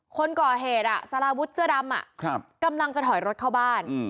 คนก่อเหตุสารวุฒิเสื้อดำกำลังจะถอยรถเข้าบ้าน